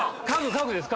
家具です。